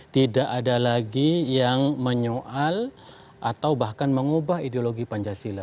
tidak ada lagi yang menyoal atau bahkan mengubah ideologi pancasila